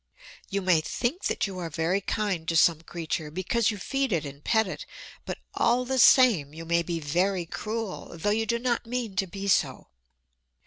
You may think that you are very kind to some creature, because you feed it and pet it; but all the same you may be very cruel, though you do not mean to be so.